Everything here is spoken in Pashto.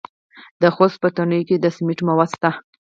د خوست په تڼیو کې د سمنټو مواد شته.